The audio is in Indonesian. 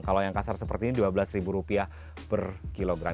kalau yang kasar seperti ini dua belas rupiah per gram